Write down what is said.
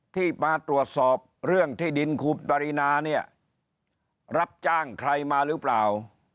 ที่มาตรวจสอบเรื่องที่ดินครูปรินาเนี่ยรับจ้างใครมาหรือเปล่า